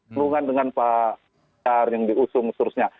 berhubungan dengan pak kar yang diusung seterusnya